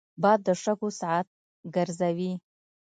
باد د شګو ساعت ګرځوي